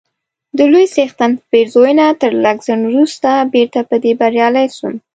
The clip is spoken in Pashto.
د لوی څښتن په پېرزوینه تر لږ ځنډ وروسته بیرته په دې بریالی سوم،